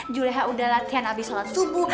juleha udah latihan abis sholat subuh